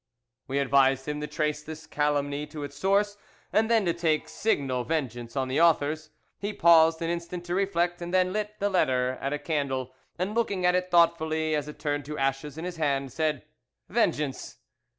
"We advised him to trace this calumny to its source, and then to take signal vengeance on the authors. He paused an instant to reflect, and then lit the letter at a candle, and looking at it thoughtfully as it turned to ashes in his hand, said,—Vengeance!